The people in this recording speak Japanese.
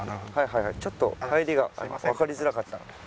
ちょっと入りがわかりづらかった。